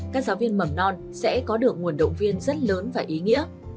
các giáo viên mầm non sẽ có được nguồn động viên rất lớn và ý nghĩa